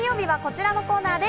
金曜日はこちらのコーナーです。